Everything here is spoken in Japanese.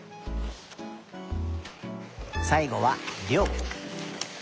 さいごはりょう。